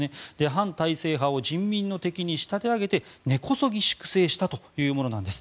反体制派を人民の敵に仕立て上げて根こそぎ粛清したというものなんです。